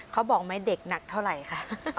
เขาบอกไหมเด็กหนักเท่าไหร่คะ